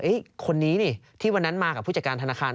คนนี้นี่ที่วันนั้นมากับผู้จัดการธนาคาร